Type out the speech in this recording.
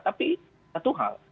tapi satu hal